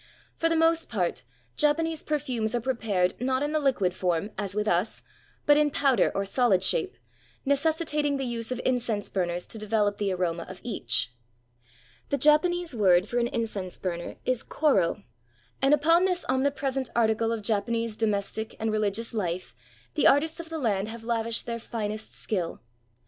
For the most part, Japanese perfumes are prepared not in the Hquid form, as with us, but in powder or sohd shape, necessitating the use of incense burners to develop the aroma of each. The Japanese word for an incense burner is koro, and upon this omnipresent article of Japanese domes tic and religious Ufe the artists of the land have lavished their finest skill.